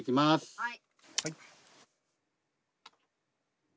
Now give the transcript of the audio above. はい。